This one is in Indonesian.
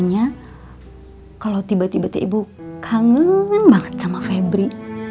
rasanya kalau tiba tiba tiba tiba ibu kangen banget sama febri